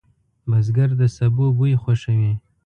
بزګر د سبو بوی خوښوي